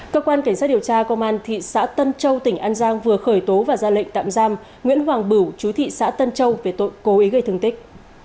cơ quan cảnh sát điều tra công an thị xã tân châu tỉnh an giang vừa khởi tố và ra lệnh tạm giam nguyễn hoàng bửu chú thị xã tân châu về tội cố ý gây thương tích